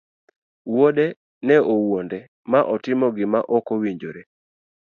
wuode ne owuonde ma otimo gima okowinjore.